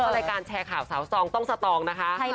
รายการแชร์ข่าวสาวซองต้องสตองนะคะ